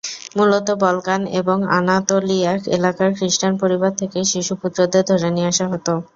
মূলত বলকান এবং আনাতোলিয়া এলাকার খ্রিস্টান পরিবার থেকেই শিশু পুত্রদের ধরে নিয়ে আসা হতো।